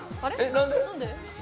何で？